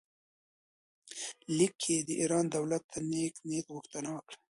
لیک کې یې د ایران دولت ته د نېک نیت غوښتنه وکړه.